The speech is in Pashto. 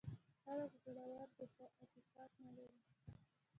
خلک زړور دي خو اتفاق نه لري.